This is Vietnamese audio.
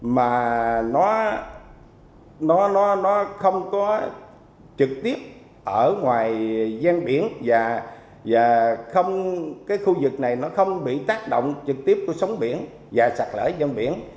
mà nó không có trực tiếp ở ngoài giang biển và khu vực này không bị tác động trực tiếp của sống biển và sạc lở giang biển